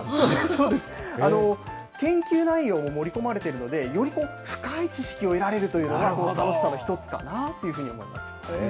そうです、研究内容も盛り込まれているので、より深い知識を得られるというのが、楽しさの一つかなというふうに思います。